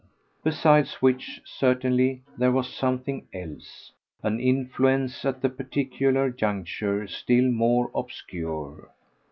Besides which, certainly, there was something else an influence at the particular juncture still more obscure.